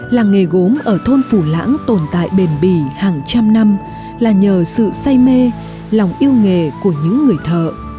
làng nghề gốm ở thôn phủ lãng tồn tại bền bỉ hàng trăm năm là nhờ sự say mê lòng yêu nghề của những người thợ